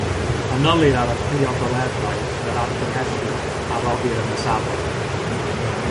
Manylir ar y priodoleddau yn yr argymhellion a roddir yn y safon.